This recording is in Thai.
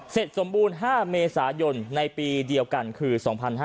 สมบูรณ์๕เมษายนในปีเดียวกันคือ๒๕๕๙